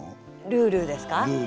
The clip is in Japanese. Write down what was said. ルールですか？